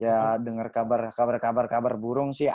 ya denger kabar kabar kabar burung sih